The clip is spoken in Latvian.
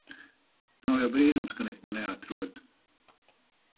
Nav jau brīnums ka neko neatrod.